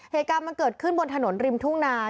เหตุการณ์มันเกิดขึ้นบนถนนริมทุ่งนา